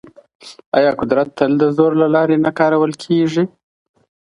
ايا قدرت تل د زور له لاري نه کارول کېږي؟